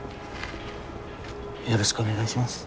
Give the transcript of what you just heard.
よろしくお願いします。